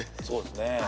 そうですね。